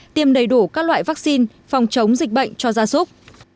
tiêm đầy đủ các loại vaccine phòng chống dịch bệnh cho gia súc